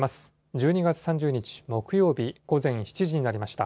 １２月３０日木曜日、午前７時になりました。